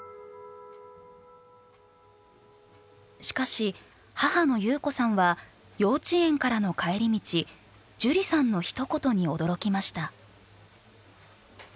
しかし母の優子さんは幼稚園からの帰り道樹里さんのひと言に驚きました。